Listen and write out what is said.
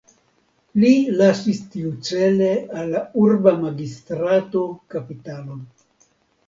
Li lasis tiucele al la urba magistrato kapitalon.